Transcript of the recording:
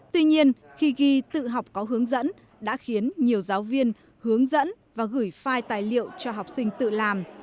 tuy nhiên khi ghi tự học có hướng dẫn đã khiến nhiều giáo viên hướng dẫn và gửi file tài liệu cho học sinh tự làm